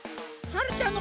はるちゃん！